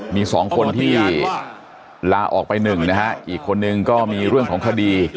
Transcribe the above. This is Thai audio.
มีสองคนที่ลาออกไปหนึ่งนะฮะอีกคนนึงก็มีเรื่องของคดี